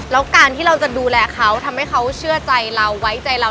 แล้วการที่เราจะดูแลเขาทำให้เขาเชื่อใจเราไว้ใจเรา